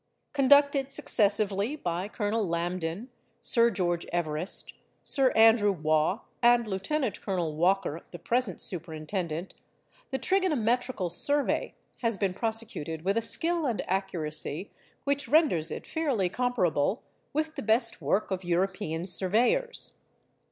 Conducted successively by Colonel Lambton, Sir George Everest, Sir Andrew Waugh, and Lieut. Col. Walker (the present superintendent), the trigonometrical survey has been prosecuted with a skill and accuracy which renders it fairly comparable with the best work of European surveyors.